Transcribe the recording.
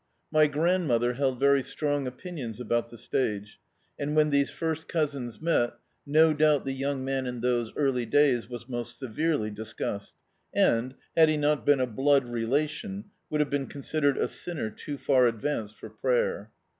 My grand D,i.,.db, Google The Autobiography of a Super Tramp mother held very strong opinions about the stage, and when these first cousins met, no doubt the young man, in those early days, was most severely discussed, and, had he not been a blood relation, would have been considered a sinner too far advanced for prayer.